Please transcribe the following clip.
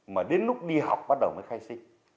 mà đến lúc đi học bắt đầu mới khai sinh